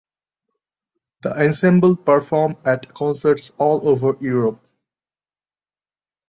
The ensemble performed at concerts all over Europe.